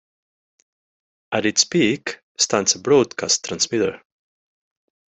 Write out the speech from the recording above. At its peak stands a broadcast transmitter.